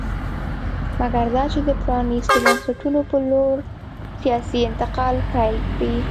مګر دا چې د پرانېستو بنسټونو په لور سیاسي انتقال پیل کړي